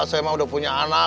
saya mah sudah punya anak